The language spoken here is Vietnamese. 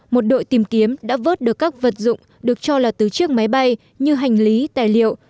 một đội tìm kiếm đã vớt được các vật dụng được cho là từ chiếc máy bay như hành lý tài liệu